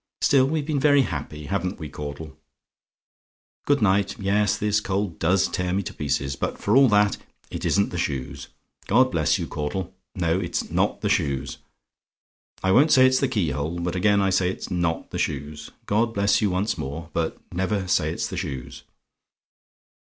Still we've been very happy, haven't we, Caudle? "Good night. Yes, this cold does tear me to pieces; but for all that, it isn't the shoes. God bless you, Caudle; no, it's NOT the shoes. I won't say it's the key hole; but again I say, it's not the shoes. God bless you once more But never say it's the shoes."